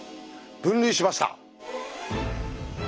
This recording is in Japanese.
分類しました。